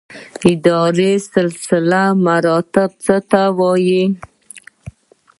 اداري سلسله مراتب څه ته وایي؟